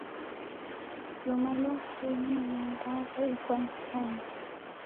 Luma lwa kenyi, niendagha ikwanyikonyi.